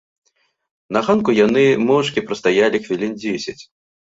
На ганку яны моўчкі прастаялі хвілін дзесяць.